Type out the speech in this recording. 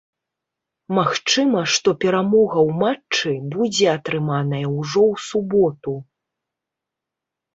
Магчыма, што перамога ў матчы будзе атрыманая ўжо ў суботу.